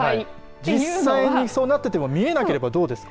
実際にそうなっていても見えなければ、どうですか。